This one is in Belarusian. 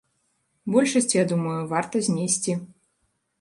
Большасць, я думаю, варта знесці.